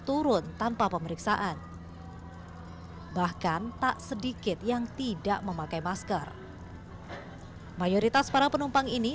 turun tanpa pemeriksaan bahkan tak sedikit yang tidak memakai masker mayoritas para penumpang ini